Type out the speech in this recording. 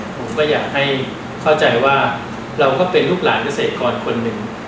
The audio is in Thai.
ผมก็อยากให้เข้าใจว่าเราก็เป็นลูกหลานเกษตรกรคนหนึ่ง